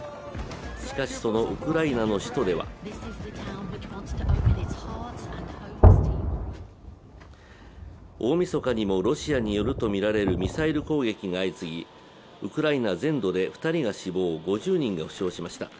しかし、そのウクライナの首都では大みそかにもロシアによるとみられるミサイル攻撃が相次ぎ、ウクライナ全土で２人が死亡、５０人が負傷しました。